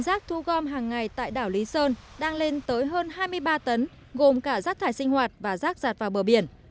rác thu gom hàng ngày tới hơn hai mươi ba tấn gồm cả rác thải sinh hoạt và rác rạt vào bờ biển